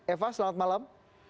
eva selamat malam